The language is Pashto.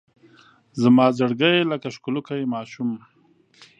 زما زړګی لکه ښکلوکی ماشوم